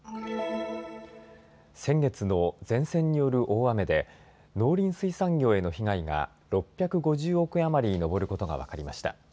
先月の前線による大雨で農林水産業への被害が６５０億円余りに上ることが分かりました。